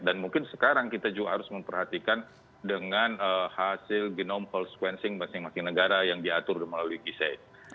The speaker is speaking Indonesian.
dan mungkin sekarang kita juga harus memperhatikan dengan hasil genome sequencing masing masing negara yang diatur melalui gisaid